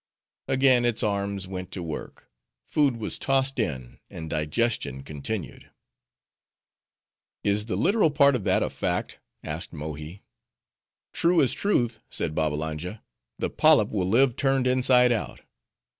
Again its arms went to work; food was tossed in, and digestion continued.'" "Is the literal part of that a fact?" asked Mohi. "True as truth," said Babbalanja; "the Polyp will live turned inside out."